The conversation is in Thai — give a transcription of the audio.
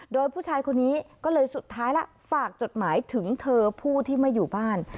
โดยผู้ชายคนนี้ก็เลยสุดท้ายแล้วฝากจดหมายถึงเธอผู้ที่ไม่อยู่บ้าน